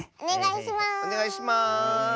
おねがいします！